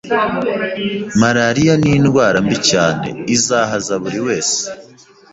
Malaria ni ndwara mbi cyane izahaza buri wese